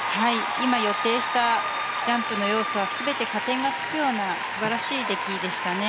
今、予定したジャンプの要素は全て加点がつくような素晴らしい出来でしたね。